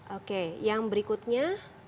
oke yang berikutnya